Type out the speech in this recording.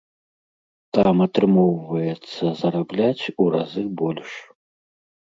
Там атрымоўваецца зарабляць у разы больш.